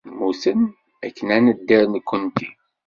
Mmuten akken ad nedder nekkenti.